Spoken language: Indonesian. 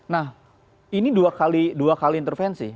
nah ini dua kali intervensi